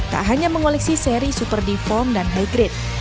seleksi seri super deform dan high grade